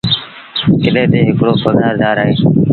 ڪلي تي هڪڙو پگھآر دآر اهي۔